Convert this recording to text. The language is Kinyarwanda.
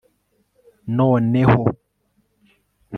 noneho